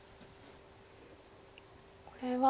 これは次。